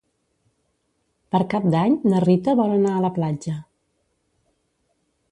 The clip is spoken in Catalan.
Per Cap d'Any na Rita vol anar a la platja.